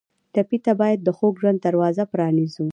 ټپي ته باید د خوږ ژوند دروازه پرانیزو.